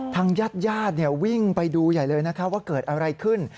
ทางญาติวิ่งไปดูใหญ่เลยนะคะว่าเกิดอะไรขึ้น